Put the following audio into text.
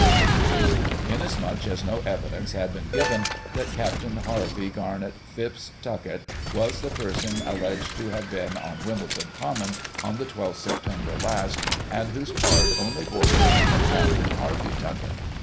147 of their case, inasmuch as no evidence had been given that Captain Harvey Garnett Phipps Tuckett was the person alleged to have been on Wimbledon Common on the 12th September last, and whose card only bore the name of Captciin Harvey Tuckett.